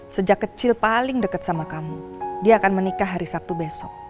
sejak kecil paling dekat sama kamu dia akan menikah hari sabtu besok